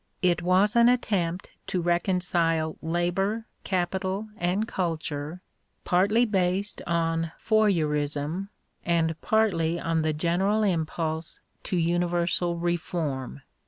It was an attempt to reconcile labour, capital, and culture, partly based on Fourierism and partly on the general impulse to universal reform.